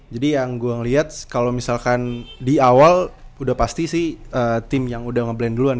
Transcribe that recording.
jadi yang gue ngeliat kalau misalkan di awal udah pasti sih tim yang udah ngeblend duluan